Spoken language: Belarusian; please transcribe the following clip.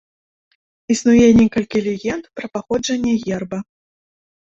Існуе некалькі легенд пра паходжанне герба.